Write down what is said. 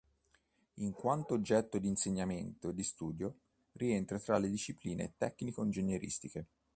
In quanto oggetto di insegnamento e studio, rientra tra le discipline tecnico-ingegneristiche.